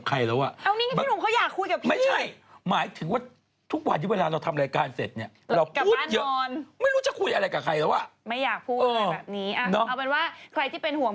เขาไม่ป่วยกันหมดคนรอบตัวแค่ป่วยหมด